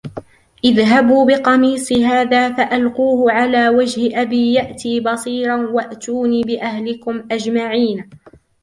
اذْهَبُوا بِقَمِيصِي هَذَا فَأَلْقُوهُ عَلَى وَجْهِ أَبِي يَأْتِ بَصِيرًا وَأْتُونِي بِأَهْلِكُمْ أَجْمَعِينَ